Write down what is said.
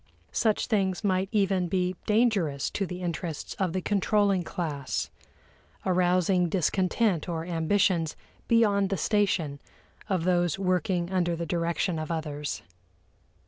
Such things might even be dangerous to the interests of the controlling class, arousing discontent or ambitions "beyond the station" of those working under the direction of others.